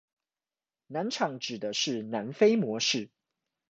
南廠指的是南非模式